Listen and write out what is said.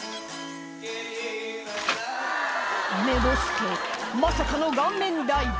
ねぼすけまさかの顔面ダイブ